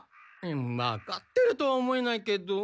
わかってるとは思えないけど。